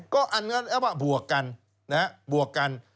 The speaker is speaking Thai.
ก็อันนั้นแล้วก็บวกกันนะครับ